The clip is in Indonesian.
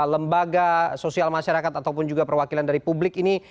lembaga sosial masyarakat ataupun juga perwakilan dari publik ini